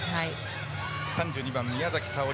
３２番、宮崎早織。